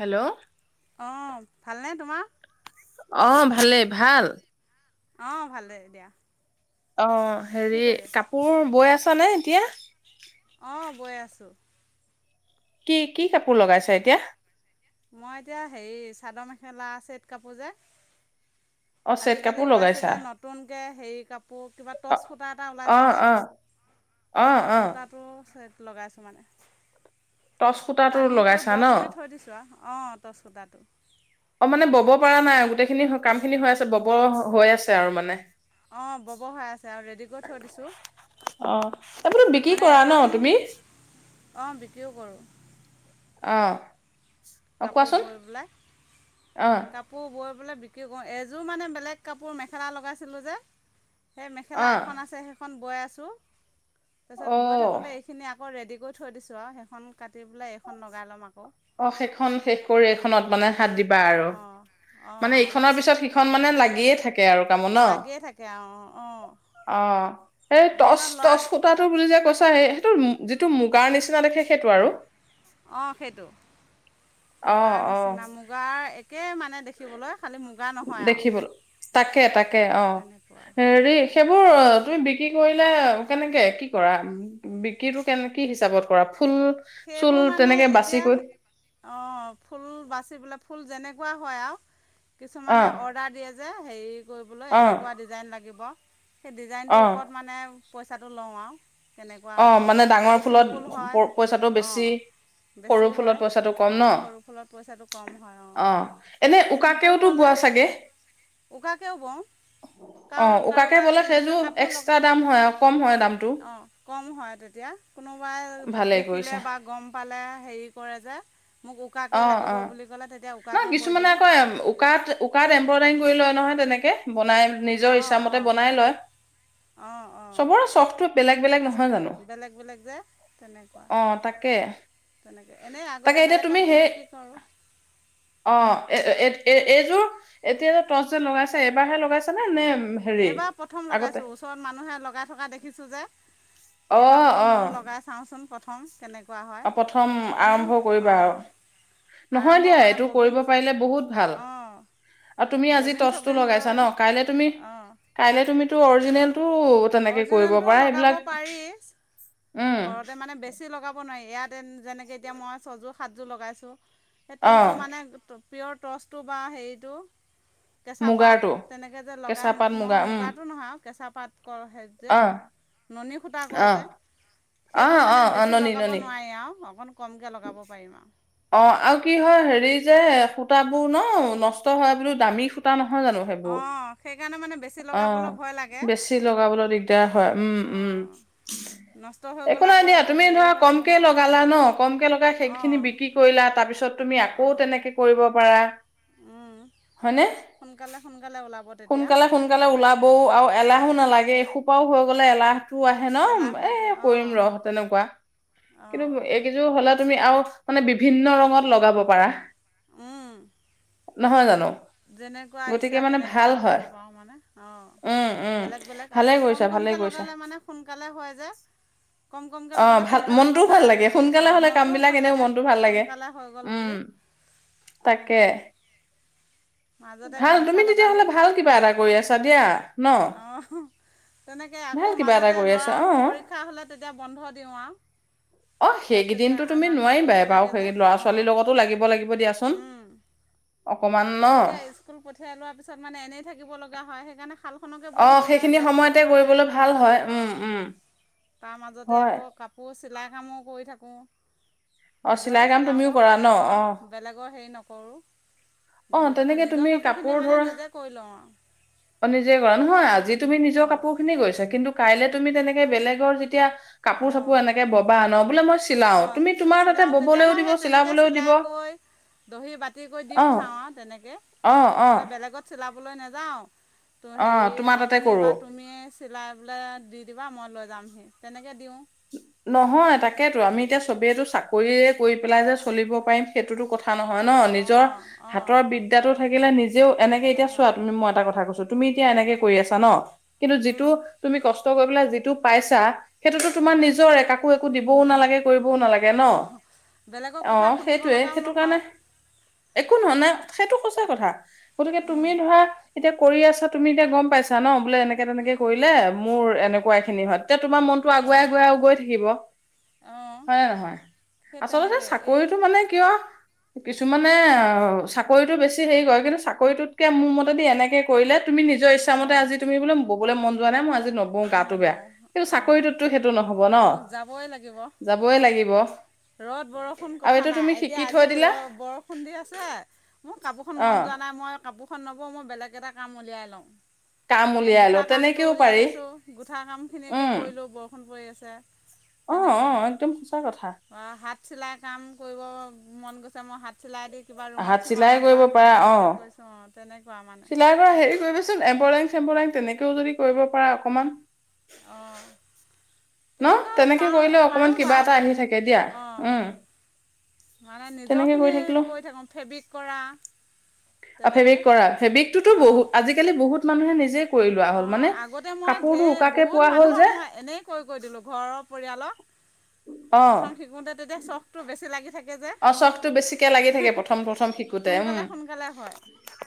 Hello অ ভালনে তোমাৰ? অ ভালেই ভাল- অ ভালে দিয়া। অ কি হেৰি কৰি আছা? কাপোৰ বৈ আছ। নে এতিয়া। অঁ বৈ আছোঁ কি কি কাপোৰ লগাইছ এতিয়া? মই এতিয়া হেৰি চাদৰ মেখেলা আছে চেইদ কাপোৰ যে, অ চেট কাপোৰ আজিকালি ওলাইছে লগাইছা যে নতুনকে,। সেইৰি কাপ কিবা অ টৰ্চ সূতা এটা অ ওলাইছে যে অ অ সেই টৰ্চ অ সূতাটো লগাইছোঁ মানে টচ সূতা টো টানি কৰি লগাইছা ব ন তুলি থৈ দিছোঁ আৰু অঁ তচ সূটাটো গোটেই খিনি কাম খিনি হৈ আছে বব হৈ আছে আৰু মানে অঁ ববহ হৈ আছে আৰু ৰেডি কৰি থৈ দিছোঁ অ এইবোৰতো বিক্ৰী মানে কৰা ন এখন তুমি অঁ বিক্ৰীও কৰোঁ অঁ কাপোৰ বৈ পেলায় অ কাপো বৈ বিক্ৰী কৰোঁ এযোৰ মানে বেলেগ কাপোৰ মেখেলা লগাইছিলোঁ যে সেই অ মেখেলা এখন আছে সেইখন বৈ আছে ছো তাৰ পিছত অ বৈ থাকোতে এইখিনি আকৌ ৰেডি গৈ থৈ দিছোঁ আৰু সেইখন কাটি পেলাই এইখন লগাই ল'ম আকৌ অ শ [unintelligible] খন শেষ কৰি এইখনত তেনেকৈ মানে হাত দিবা আৰু অঁ মানে অঁ ইখনৰ পিছত সিখন মানে লাগিয়ে থাকে আৰু কামো ন লাগিয়ে থাকে অঁ অঁ অ সেই টচ দিনত ল'ৰাক টচ খুতটো বুলি যে কৈছা স সেইটো যিটো মুগাৰ নিচিনা দেখে সেইটো আৰু অ সেইটো অ মুগাৰ অ নিচিনা মুগাৰ একে মানে দেখি শিকিবলৈ দেখিবলৈ তাকে তাকে অ তেনেকুৱা হেৰী সেইবোৰ তুমি বিক্ৰী কৰিলে কেনেকৈ কি কৰা বিক্ৰীটো কেনে কি হিচাপত কৰা ফুল চুল সেইবোৰ মানে তেনেকে বাচি কৰি এতিয়া অ ফুল বাচি পেলাই ফুল যেনেক লগোৱা হয় আৰু অ কিছুমানে অৰ্ডাৰ দিয়ে যে সেই কৰিবলৈ অ এনেকোৱা ডিজাইন লাগিব সেই অ ডিজাইনটোৰ ওপৰত মানে পইচাটো লওঁ আৰু কেনেকুৱা অ হ'ব মানে ডাঙৰ যদি ফুলত চিম্পুল হয় পইচাটো বেছি অঁ সৰু বেছি ফুলত হয় পইচাটো কম ন সৰু ফুলত পইচাটো কম হয় অঁ অ এনে চিম্পুল উকাকেওতো হ'লে বোৱা চাগে উকাকেও বওঁ অ কাৰ উকাকে কাৰোবাক বলে বোলে সেইযোৰ কাপোৰ লগ এক্সট্ৰা দাম হয় আৰু কম হয় দামটো বম হয় তেতিয়া কোনোবাই ভালেই দেখিলে কৰিছা বা গম পালে হেৰি কৰে যে মোক উকাকৈ অ', লাগিব অ', বুলি ক'লে তেতিয়া ন উকাকৈ বৈ কিছুমানে দিওঁ আকৌ এম, উকাত উকাত এম্ব্ৰইডাৰিং কৰি লয় নহয় তেনেকে বনাই নিজৰ অঁ ইচ্ছাামতে অঁ বনাই লয় অঁ অঁ চবৰে চখ বেলেগ বেলেগ চব নহয় জানো বেলেগ বেলেগ যে অ তাকে তেনেকে এনেই তাকে আগতে এতিয়া বেলেগ তুমি কাপোৰ সেই বিক্ৰী কৰো অ এ এ এইযোৰ এতিয়া যে টৰ্চ যে লগাইছে এবাৰহে লগাইছে নে নে হেৰি এইবাৰ প্ৰথম আগতে লগাইছোঁ ওচৰত মানুহে লগাই থকা দেখিছোঁ যে এইবাৰ অ', বোলো অ', ময়ো লগাই চাওঁচোন প্ৰথম কেনেকুৱা হয় অ প্ৰথম এনেই আৰম্ভ কৰিবা অঁ আৰু নহয় আৰম্ভ দিয়া মানে এইটো ববিন কৰিব পাৰিলে বহুত ভাল অঁ আৰু তুমি আজি ববিন টৰ্চটো চবিন লগাইছা লৈ ন কাইলে তুমি অঁ কাইলৈ তুমিটো অৰিজিনেল অৰিজিনেলটো লগাব পাৰি উম ঘৰতে মানে বেছি বেছি লগাব নোৱাৰি ইয়াত যেনেকৈ এতিয়া মই ছজোৰ সাতযোৰ লগাইছোঁ সেই অ টৰ্চযোৰ মানে পিয়ৰ টৰ্চটো বা হেৰিটো কেঁচা পাত মুগাৰটো তেনেকে যে লগাই কেঁচা পাত মুগা নহয় উম মুগাৰো নহয় আৰু কেঁচা পাত যে অ নুনী সূটা কয় অ যে অ সেইটো অ মানে অ বেছি ননী লগাব ননী নোৱাৰি আৰু অকণ কমকৈ লগাব পাৰিম আৰু অ আৰু কি হয় হেৰি যে সূতাবোৰ ন নষ্ট হয় বুলিও দামী সূতা নহয় নহয় জানো সেইবোৰ অঁ সেইকাৰণে মানে বেছি অ লগাবলৈ ভয় লাগে বেছি লগাবলৈ দিগদাৰ হয় উম উম অঁ নষ্ট হৈ একো গ'লে নাই আকৌ দিয়া তুমি হেৰি ধৰা হৈ যাব কমকে নহয় লগালা ন কমকে লগাই সেইখিনি অঁ বিক্ৰী কৰিলা তাৰপিছত তুমি আকৌ তেনেকৈ কৰিব পাৰা হয়নে সোনকালে সোনকালে ওলাব তেতিয়া সোনকালে সোনকালে ওলাবও আৰু এলাহো অঁ নালাগে এসোপাও ববলে এলাহ টো আহে ন এলাহ লাগে এ অঁ কৰিম ৰহ তেনেকুৱা অঁ কিন্তু এইকেইযোৰ হ'ল তুমি আৰু মানে বিভিন্ন ৰঙত লগাব পাৰা অম নহয় জানো যেনেকুৱা আহিছা গতিকে মানে তেনে পোৰা ভাল লগাব হয় পাৰোঁ মানে উম উম অঁ বেলেগ বেলেগ ভালে আকৌ কম কৰিছা ভালে কমকে কৰিছা লগালে মানে সোনকালে হয় যে কম কমকৈ অ লগালে ভাল সোনকালে মনটো ভাল লগাই লাগে সোনকালে অঁ হ'লে কাম মনটোও বিলাক ভাল এনেও লাগে মনটো ভাল লাগে সোনকালে হৈ গ'ল উম বুলি তাকে তেনেকৈ মাজতে ভাল গামোচা তুমি তেতিয়াহ'লে লগালোঁ ভাল কিবা এটা কৰি আছা দিয়া ন অঁহ তেনেকে ভাল আকৌ কিবা এটা মাজতে কৰি আছা ল'ৰা অ পৰীক্ষা হ'লে তেতিয়া বন্ধ দিওঁ আৱ অ সেইকেইদিন টো তুমি নোৱাৰিবাই বাৰু লাগে সেই যে ল'ৰা ছোৱালীৰ লগতো লাগিব লাগিব দিয়াচোন অঁ অকমান ন তাক এতিয়া স্কুল পঠিয়াই লোৱাৰ পিছত মানে এনেই থাকিব লগা হয় সেইকাৰণে নে হাল খনকে অ বৈ থাকিলে সেইখিনি ব্যস্ত সময়তে থকা যায় কৰিবলৈ ভাল হয় উম উম অঁ তাৰ মাজতে হয় আকৌ কাপোৰ চিলাই কামো কৰি থাকোঁ অ চিলাই নিজৰে কাম চিলাওঁ তুমিও বাৰু কৰা ন অ বেলেগৰ বেলেগৰ হেৰি নক কৰোঁ অ তেনেকে তুমি কাপোৰ ধৰা কৰি লওঁ আৰু অ নিজে কৰা নহয় আজি তুমি নিজৰ অঁ কাপোৰ খিনি কৰিছা কিন্তু কাইলে তুমি তেনেকে বেলেগৰ যেতিয়া কাপোৰ চাপোৰ এনেকে ববা, ন বোলে মই চিলাও অ তুমি তোমাৰ তাতে চিলাও তেতিয়া ববলৈও মই দিব সেই তেনেকে চিলাবলৈও দিব চিলাই কৰি দহি বাতি কৰি দি পঠাও আৱ অ তেনেকে অ অ বোলে বেলেগট চিলাব বলৈ নেযাওঁ ত' অ হেৰি তোমাৰ তাতে আপুনি বা কৰো তুমি চিলাই পেলাই দি দিবা মই লৈ যামহি তেনেকে দিওঁ নহয় তাকেইতো আমি এতিয়া চবেইটো চাকৰিয়ে কৰি পেলাই যে চলিব পাৰিম সেইটোতো কথা কথা নহয় ন নিজৰ অঁ অঁ হাতৰ বিদ্যাটো থাকিলে নিজেও এনেকে থাকিলে এতিয়া ভাল চোৱা তুমি মই এটা কথা কৈছোঁ তুমি এতিয়া এনেকে কৰি আছা ন কিন্তু যিটো তুমি কষ্ট কৰি পেলাই যিটো পাইছা সেইটোতো তোমাৰ অঁ নিজৰে কাকো একো দিবও নিজ নালাগে কৰিবও নালাগে ন অঁ বেলেগৰ কথা অ শুনিব সেইটোয়ে লগাও সেইটো কাৰণে নহয় একো নহয় নে সেইটো সঁচা কথা গতিকে তুমি ধৰা এতিয়া কৰি আছা তুমি এতিয়া গম পাইছা ন বোলে এনেকে তেনেকে অঁ কৰিলে মোৰ এনেকুৱা এখিনি হয় এতিয়া তোমাৰ মন আগুৱাই গুৱাই গৈ থাকিব অঁ হয় নে নহয় সেই আচলতে তেনেকৈ এই চাকৰিটো মানে কিয় কিছুমানে অ চাকৰিটো বেছি হেৰি কৰে কিন্তু চাকৰিটোতকে মোৰ মতেদি এনেকে কৰিলে তুমি নিজৰ ইচ্ছা মতে অঁ আজি তুমি বোলে ব'বলে মন যোৱা নাই ম আজি নবওঁ গাটো বেয়া কিন্তু চাকৰিটো তুমি যাবই লাগিব যাবই লাগিব ৰ'দ বৰষুণ আৰু কথা এইটো নাই তুমি এতিয়া শিকি আজি থৈ দিলা ৰ বৰষুণ দি আছে কাপোৰখন অ মন যোৱা নাই মই কাপো নব মই বেলেগ এটা কাম উলিয়াই লওঁ। কাম উলিয়াই ল তেনেকেও পাৰি। গুঠা কাম খিনিয়ে কৰিলো বৰষুণ পৰি আছো। ছে। আহ অ একদম সঁচা কথা। বা হাত চিলাই কাম কৰিব মন গৈছে মই হাত চিলাই দি। কিবা ৰুমাল হাত চিলাই চুমালত বা কৰিব পাৰা অ তেনেকৈ কৈছোঁ। চিলাই পৰা হেৰি কৰিবচোন এম্বৰাং চেম্বৰেং তেনেকে। ও যদি কৰিব পাৰে অকমান। অঁ ন তেনেকা তেনেকে পাওঁ কৰিলে অকমান পাৰোঁ কিবা বাৰু, এটা আহি থাকে দিয়া উম অঁ মানে তেনেকে নিজৰখিনি থাকিলো কৰি থাকোঁ ফেব্ৰিক কৰা। ফেব্ৰিক তেনেকৈ কৰা ফেব্ৰিকতোতো বহু অঁ আজিকালি। বহুত মানুহে নিজে। কৰি লোৱা অ হ'ল মানে আগতে মই কাপোৰটো ঢেৰ উকাকে বহুত পোৱা হ'ল মানুহক যে মই এনে কৈ কৰি দিলো ঘৰৰত। পৰিয়ালৰ। অ প্ৰথম শিকোতে তেতিয়া চখ টো বেছি লাগি থাকে। অ চখটো বেছিকে লাগি থাকে প্ৰথম প্ৰথম শিকোতে সোনকালে উম সোনকালে হয়,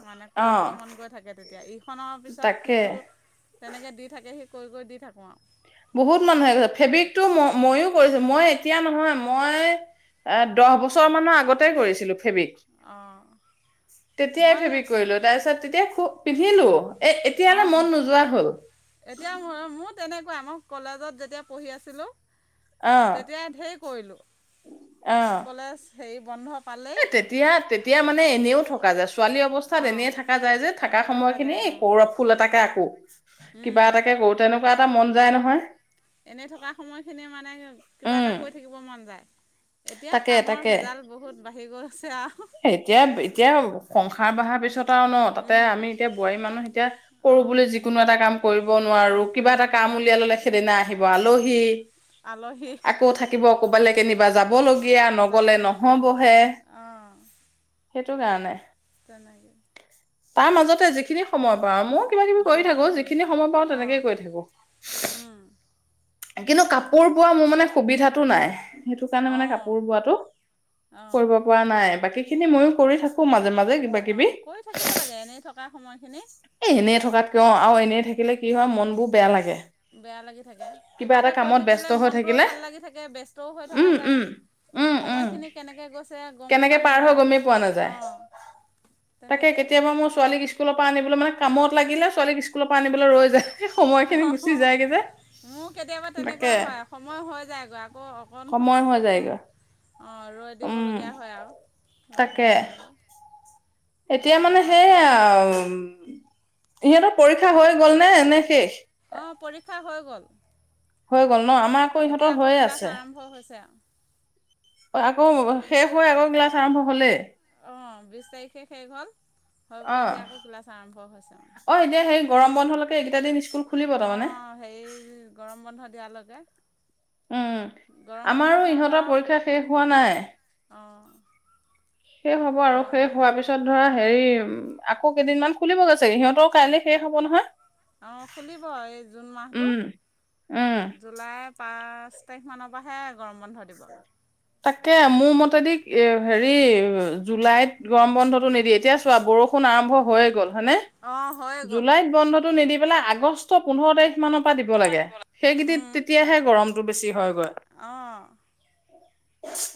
মানে অ কৰিবলৈ মন গৈ থাকে তেতিয়া ইখনৰ পিছত। তাকে সিজোৰ, তেনেকে দি থাকে সি। কৰি কৰি দি থাকোঁ আৰু। বহুত মানুহে গৈছে ভালে ফেব্ৰিকতো ম মইো কৰিছো মই এয়া। এতিয়া নহয় মই, এ দহ বছৰ মানৰ আগতে কৰিছিলো। ফেবিক, অঁ তেতিয়াই মই ফেবিক কৰিলো তাৰপিছত তেতিয়া খুব। পিন্ধিলো। এ অঁ এতিয়া মন নোযোৱা হ'ল। আমাৰ কলেজত যেতিয়া পঢ়ি আছিলোঁ। অ তেতিয়াই ঢেৰ কৰিলোঁ, কলেজ। সেইৰি বন্ধক। [unintelligible] এ তেতিয়া তেতিয়া মানে এনেও থকা যছো। [unintelligible] ছোৱালী অৱস্থাত অঁ এনে থাককা যায় যে থকা এনেই সময় খিনি যায় সৌৰৱ ফুল এটাকে আকো, কিবা অঁ এটাকে কৰোতে ন। [unintelligible] কিবা এটা মন যায় নহয়। এনে থকা সময়খিনিয়ে মানে, কিবা উম এটা কৰি থাকিব মন যায়। এতিয়া তাকে কামৰ তাকে ভেজাল বহুত বাঢ়ি গৈছে আৰু। এতিয়া এতিয়া সংসাৰ বঢ়াৰ পিছত ন তাতে উম আমি এতিয়া বোৱাৰী মানুহ এতিয়া কৰো অঁ বুলি যিকোনো এটা কাম কৰিব কাম নোৱাৰো কিবা কৰিব এটা কাম নোৱাৰোঁ উলিয়াই ললে উম, সেইদিনা আহিব আলহী হি আলহী আকৌ থাকিব কবালে কেনিবা যাব লগীয়া নগলে যাবলগীয়া নহবহে সেইটো কাৰণে জনেকে [unintelligible] তাৰ মাজতে যিখিনি সময় পাও মো কিবা কিবি কৰি থাকো যিখিনি সময় পাওঁ তেনেকেই অঁ কৰি থাকো উম, কিন্তু কাপোৰ বোৱা মোৰ মানে সুবিধা টো নাই সেইটো কাৰণে মানে অঁ কাপোৰ বোৱাটো অঁ কৰিব পৰা নাই বাকী সেইখিনি ময়ও কৰি থাকো মাজে মাজে কিবা অ কিবি এ কৰি থাকিব লাগে এনেই থকা সময়খিনি কিয় আৰু এনেই থাকিলে কি হয় মনবোৰ বেয়া লাগে বেয়া লাগি থাকে কিবা এটা কৰি কামত ব্যস্ত থাকিলে হৈ মনটোও থাকিলে ভাল লাগি থাকে ব্যস্তও হৈ থকা উম উম যায় উম উম সময়খিনি কেনেকৈ গৈছে গম পোৱা কেনেকে পাৰ হৈ গমেই পোৱা নাযায় অঁ তাকে তেনেকেই কেতিয়াবা মোৰ ছোৱালীক স্কুলৰ পৰা আনিবলৈ মানে কামত লাগিলে ছোৱালীক স্কুলৰ পৰা আনিবলৈ ৰৈ যায় সময় খিনি অঁ গুচি যায়গে যে মোৰ কেতিয়াবা তাকে তেনেকোৱা হয় সময় হৈ যায়গৈ আকৌ অকণ সময় হৈ বোলো ফোন যায়গৈ অঁ ৰৈ উম দিবলগীয়া হয় আৰু ল'ৰাটোক তাকে আনিবলৈ এতিয়া ঘৰৰ মানে পৰা সেই দূৰ হয় আও উম ইহঁতৰ পৰীক্ষা হৈ গ'ল নে নে শেষ অ পৰীক্ষা হৈ গ'ল হৈ গ'ল ন আমাৰ আকৌ এতিয়া ইহঁতৰ হৈয়ে ক্লাছ আছে আৰম্ভ হৈছে আৰু আকৌ শেষ হৈ আকৌ ক্লাচ আৰম্ভ হ'লে অ বিশ তাৰিখে শেষ হ'ল হৈ অ বোলে এতিয়া আকৌ ক্লাছ আৰম্ভ হৈছে মানে অ এতিয়া সেই গৰম বন্ধলৈকে এইকেইটা দিন স্কুল খুলিব অ তাৰমানে হেৰি গৰম বন্ধ দিয়ালৈকে উম গৰম বন্ধ আমাৰো সিহঁতৰ ইহঁতৰ পৰীক্ষা শেষ হোৱা নাই অঁ শেষ হ'ব আৰু গৰম শেষ হোৱাৰ পিছত ধৰ হেৰি আকৌ কেইদিনমান খুলিবগৈ চাগে আকৌ সিহঁতৰ কাইলৈ শেষ হব নহয় অ খুলিব এই জুন মাহটো উম উম জুলাই পা পাঁচ তাৰিখ মানৰ পৰাহে গৰম বন্ধ দিব তাকে মোৰ মতে দি এ হেৰি জুলাইত গৰম বন্ধটো নিদিয়ে এতিয়া চোৱা বৰষুণ আৰম্ভ হৈয়ে গ'ল হয়নে অঁ হৈ গ'ল জুলাইত বন্ধতটো নিদিব এইবিলাই আগষ্ট পোন্ধৰ তাৰিখ মান পা দিব লাগে। সেই কেদিন তেতিয়া সে গৰম টো বেছি হৈ গৈ অঁ [inaudible]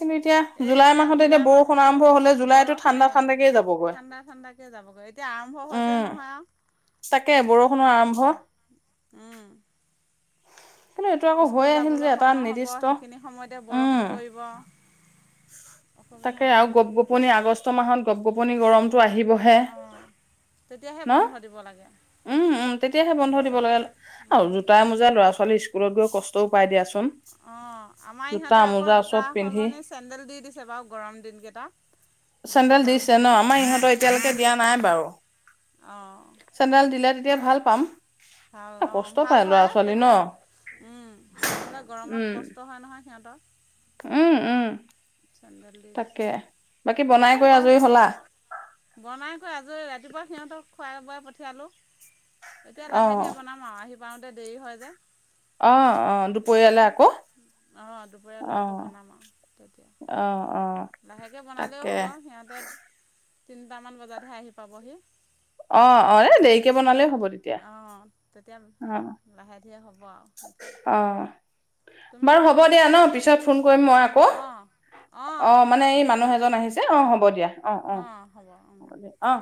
এই এতিয়া জুলাই বৰষুণ মাহটো আৰম্ভ হলে জুলাইতো ঠাণ্ডা বৰষুণেই ঠাণ্ডাকে যাবগৈ ঠাণ্ডা ঠাণ্ডাকৈ যাবগৈ এতিয়া আৰম্ভ হৈছে উম নহয় আও তাকে বৰষুণৰ আৰম্ভ কিন্তু এইটো আকৌ স্কুল হৈ আহিল যাবলৈ যে এটা সময় হ'ব নিৰ্দিষ্ট সেইখিনি সময়তে উম বৰষুণ পৰিব। অসুবিধা তাকে আৰু হয় গপ গোপনি ইচ আগষ্ট মাহত গপ গোপনি গৰমতটো আহিবহে অঁ তেতিয়াহে ন বন্ধ দিব লাগে উম উম তেতিয়াহে বন্ধ বেছি দিব লাগে দিন আৰু জোতা মোজা ল'ৰা ছোৱালী স্কুলত গৈ কষ্টও পাই দিয়াচোন অ আমাৰ জোতা ইহঁতৰ আকৌ মোজা জোতা চব পিন্ধি সলনি চে চেডেল দি দিছে বাৰু গৰম দিনকেইটাত বেছি চেন্দেল গৰম দিছে ন হ'লে আমাৰ চেডেল দিছে। অঁ চেনডেল দিলে তেতিয়া ভাল পাম ভাল এ অ কষ্ট ভাল পায় ল'ৰা হয় ছোৱালী ন। তেতিয়া উম নহ'লে উম। গৰমত কষ্ট হয় নহয় সিহঁতৰ উম উম চেণ্ডেল দি তাকে দিছে বাকী বনাই আকৌ কৰি গৰ আজৰি হ'লা? গমাই বনাই কৈ আজৰি ৰাতিপুৱা সিহঁতক খোৱাই বোৱাই পঠিয়ালোঁ। এতিয়া লাহে দিয়ে অ', বনাম আও আহিব পাওতে দেৰি হৈ যে অ', অ', দুপৰীয়ালে স্কুল আকৌ অ দুপৰীয়ালৈ আকৌ অ', বনাম আউ অ অ তাকে তিনটামান বজাতহে আহি পাবহি অ অ এ দেৰিকে বনালেও হ'ব তেতিয়া অ তেতিয়া অ', লাহে ধীয়ে হ'ব। ব আউ সেইখিন অ'। বাৰু হ'ব দিয়া ন পিছত ফোন কৰিম মই আকৌ অঁ অঁ অ মানে হ'ব এই দিয়ক মানুহ এজন আহিছে। কি নহব হ'ব দিয়া অ অ হ'ব দিয়া অ